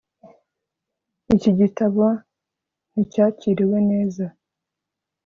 iki gitabo nticyakiriwe neza